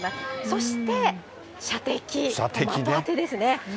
そして射的、的当てですね。